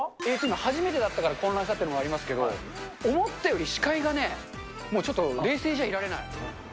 初めてだったから混乱しちゃったというのもありますけど、思ったより視界がね、もうちょっと冷静じゃいられない。